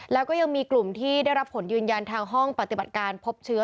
แล้วก็ยังมีกลุ่มที่ได้รับผลยืนยันทางห้องปฏิบัติการพบเชื้อ